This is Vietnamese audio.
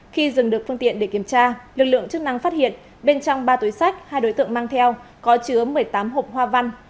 khi dừng được phương tiện để kiểm tra lực lượng chức năng phát hiện bên trong ba túi sách hai đối tượng mang theo có chứa một mươi tám hộp hoa văn